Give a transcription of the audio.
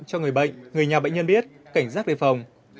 cho người bệnh người nhà bệnh nhân biết cảnh giác đề phòng